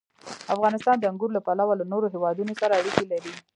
افغانستان د انګور له پلوه له نورو هېوادونو سره اړیکې لري.